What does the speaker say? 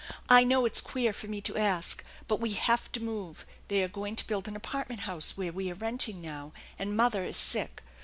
" I know it's queer for me to ask, but we have to move they are going to build an apartment house where we are renting now, and mother is sick.